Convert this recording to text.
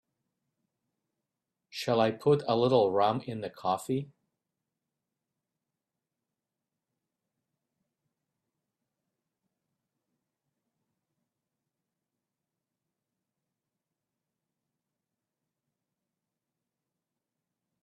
Shall I put a little rum in the coffee?